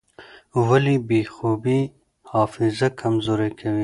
ولې بې خوبي حافظه کمزورې کوي؟